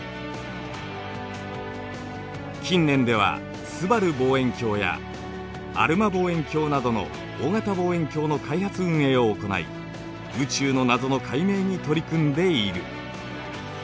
近年ではすばる望遠鏡やアルマ望遠鏡などの大型望遠鏡の開発運営を行い宇宙の謎の解明に取り組んでいる。